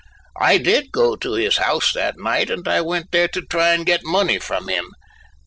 I did go to his house that night, and I went there to try and get money from him.